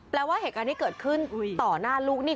ว่าเหตุการณ์ที่เกิดขึ้นต่อหน้าลูกนี่